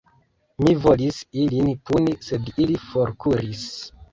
Mi volis ilin puni, sed ili forkuris.